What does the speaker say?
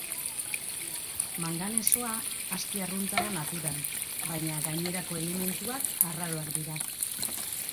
Manganesoa aski arrunta da naturan, baina gainerako elementuak arraroak dira.